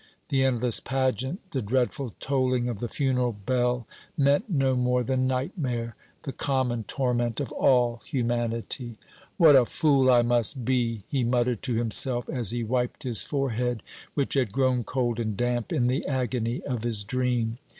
The endless pageant, the dreadful tolling of the funeral bell, meant no more than nightmare, the common torment of all humanity. "What a fool I must be!" he muttered to himself, as he wiped his forehead, which had grown cold and damp in the agony of his dream.